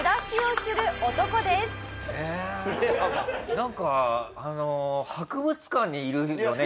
なんか博物館にいるよね